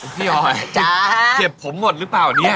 พี่ออยเก็บผมหมดหรือเปล่าเนี่ย